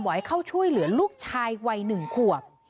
บอกให้เข้าช่วยเหลือลูกชายวัยหนึ่งขวบ